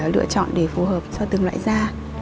lựa chọn để phù hợp cho từng loại da